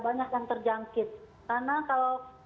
banyak yang terjangkit karena kalau